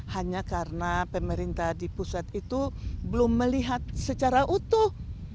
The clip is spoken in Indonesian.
hanya karena pemerintah di pusat itu belum melihat secara utuh